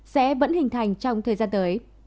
sẽ vẫn hình thành trong thời gian tới